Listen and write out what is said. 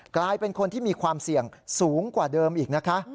กลายเป็นคนที่มีความเสี่ยงสูงกว่าเดิมอีกนะคะ